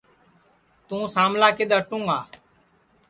توں ساملا کِدؔ ہٹوں گا